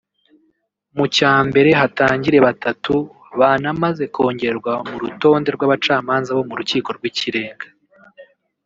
mu cya mbere hatangire batatu banamaze kongerwa mu rutonde rw’abacamanza bo mu rukiko rw’ikirenga